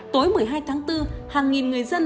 tối một mươi hai tháng bốn hàng nghìn người dân